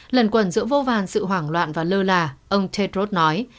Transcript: lần quẩn giữa vô vàn sự hoảng loạn và lơ là ông tedros nói